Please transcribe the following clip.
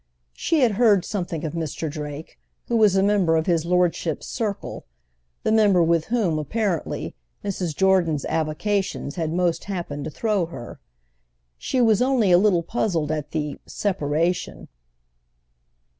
She had heard something of Mr. Drake, who was a member of his lordship's circle—the member with whom, apparently, Mrs. Jordan's avocations had most happened to throw her. She was only a little puzzled at the "separation."